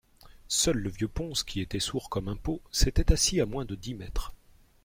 Seul le vieux Pons, qui était sourd comme un pot, s’était assis à moins de dix mètres.